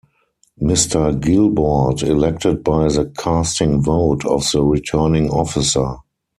Mr. Guilbault elected by the casting vote of the Returning Officer.